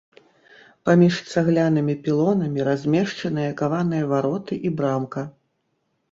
Паміж цаглянымі пілонамі размешчаныя каваныя вароты і брамка.